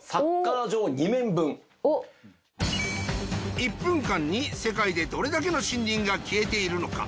１分間に世界でどれだけの森林が消えているのか？